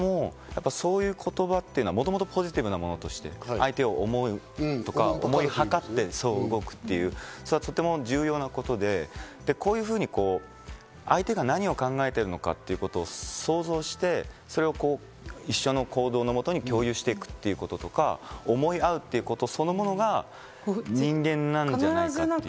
でもそういう言葉っていうのをもともとポジティブなものとして相手を思うとか、おもんばかって動くというのは重要なことで、相手が何を考えているのか想像して、それを一緒の行動のもとに共有していくとか思い合うということそのものが人間なんじゃないかって。